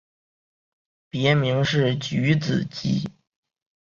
别名是菊子姬。